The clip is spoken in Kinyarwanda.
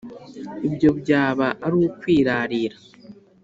ibyo byaba ari ukwirarira!